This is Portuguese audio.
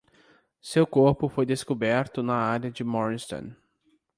Seu corpo foi descoberto na área de Morriston.